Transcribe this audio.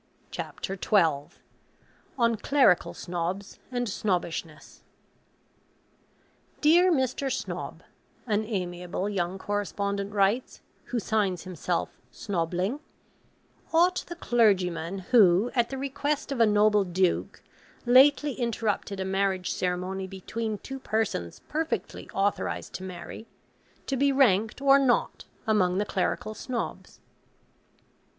CHAPTER XII ON CLERICAL SNOBS AND SNOBBISHNESS 'Dear Mr. Snob,' an amiable young correspondent writes, who signs himself Snobling, 'ought the clergyman who, at the request of a noble Duke, lately interrupted a marriage ceremony between two persons perfectly authorised to marry, to be ranked or not among the Clerical Snobs?'